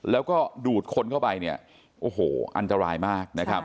แล้วก็ดูดคนเข้าไปอันตรายมาก